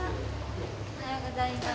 おはようございます。